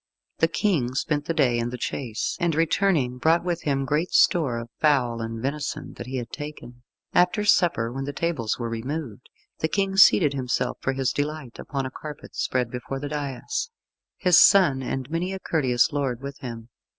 The King spent the day in the chase, and returning, brought with him great store of fowl and venison that he had taken. After supper, when the tables were removed, the King seated himself for his delight upon a carpet spread before the dais, his son and many a courteous lord with him.